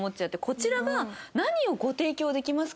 こちらが何をご提供できますか？っていうお金？